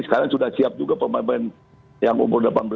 sekarang sudah siap juga pemain pemain yang umur delapan belas